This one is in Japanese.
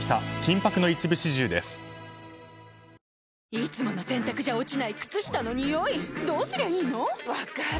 いつもの洗たくじゃ落ちない靴下のニオイどうすりゃいいの⁉分かる。